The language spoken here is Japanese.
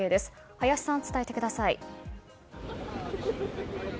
林さん、伝えてください。